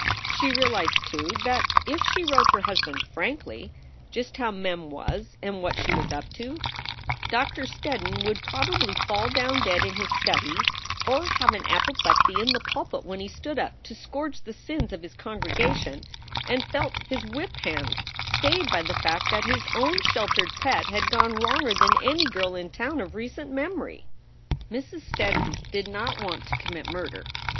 She realized, too, that if she wrote her husband frankly just how Mem was and what she was up to, Doctor Steddon would probably fall down dead in his study, or have an apoplexy in the pulpit when he stood up to scourge the sins of his congregation and felt his whip hand stayed by the fact that his own sheltered pet had gone wronger than any girl in town of recent memory. Mrs. Steddon did not want to commit murder.